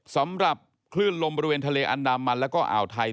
สำหรับคลื่นลมบริเวณทะเลอันดามันแล้วก็อ่าวไทย